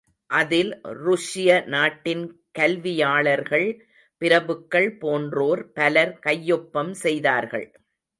அதில் ருஷ்ய நாட்டின் கல்வியாளர்கள், பிரபுக்கள் போன்றோர் பலர் கையொப்பம் செய்தார்கள்.